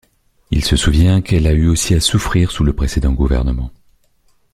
Il se souvient qu'elle a eu aussi à souffrir sous le précédent gouvernement.